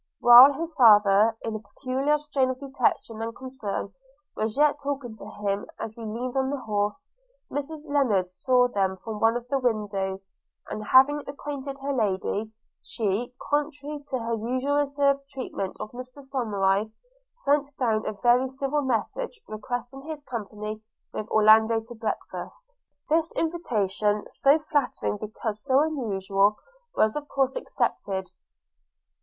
While his father, in a peculiar strain of dejection and concern, was yet talking to him as he leaned on the horse, Mrs Lennard saw them from one of the windows; and having acquainted her lady, she, contrary to her usual reserved treatment of Mr Somerive, sent down a very civil message requesting his company with Orlando to breakfast. This invitation, so flattering because so unusual, was of course accepted.